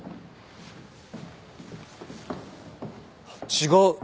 違う。